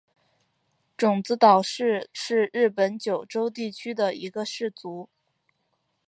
种子岛氏是日本九州地区的一个氏族。